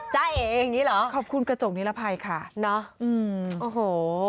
จ้าเอ๋อย่างนี้เหรอขอบคุณกระจกนิรภัยค่ะเนอะอืมโอ้โห